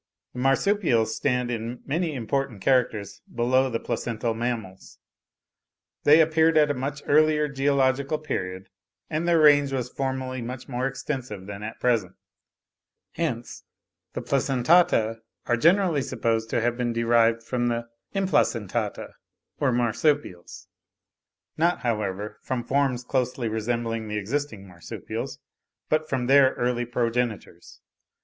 The Marsupials stand in many important characters below the placental mammals. They appeared at an earlier geological period, and their range was formerly much more extensive than at present. Hence the Placentata are generally supposed to have been derived from the Implacentata or Marsupials; not, however, from forms closely resembling the existing Marsupials, but from their early progenitors.